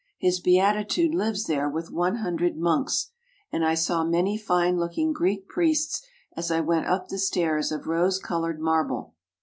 His Beatitude lives there with one hundred monks, and I saw many fine looking Greek priests as I went up the stairs of rose coloured marble.